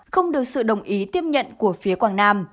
không được sự đồng ý tiếp nhận của phía quảng nam